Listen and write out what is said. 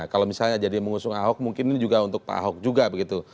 kalau misalnya jadi mengusung ahok mungkin ini juga untuk pak ahok juga begitu